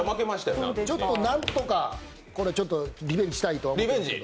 何とかリベンジしたいと思います。